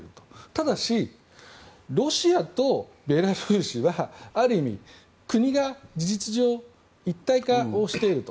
ただし、ロシアとベラルーシはある意味、国が事実上、一体化していると。